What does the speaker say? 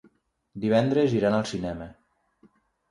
Divendres iran al cinema.